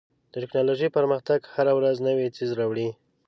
د ټکنالوژۍ پرمختګ هره ورځ نوی څیز راوړي.